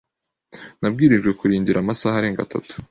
Nabwirijwe kurindira amasaha arenga atatu.